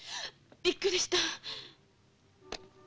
びっくりした。